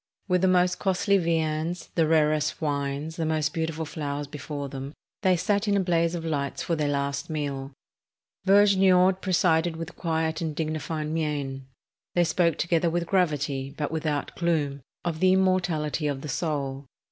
With the most costly viands, the rarest wines, the most beautiful flowers before them, they sat in a blaze of lights for their last meal. Vergniaud presided with quiet and dignified mien. They spoke together with gravity, but without gloom, of the immortality of the soul.